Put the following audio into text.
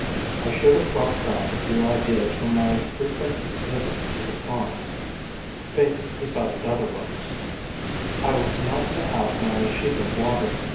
I should have brought back a few ideas from my frequent visits to the pond. Fate decided otherwise: I was not to have my sheet of water.